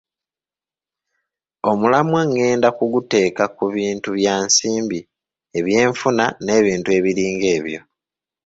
Omulamwa ng'enda kuguteeka ku bintu bya nsimbi, ebyenfuna n'ebintu ebiringa ebyo.